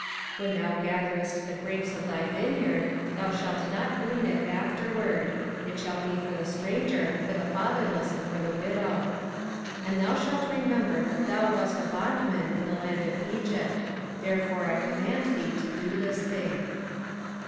05:024:021 When thou gatherest the grapes of thy vineyard, thou shalt not glean it afterward: it shall be for the stranger, for the fatherless, and for the widow. 05:024:022 And thou shalt remember that thou wast a bondman in the land of Egypt: therefore I command thee to do this thing.